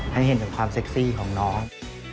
ให้เห็นถึงความเซ็กซี่ของน้อง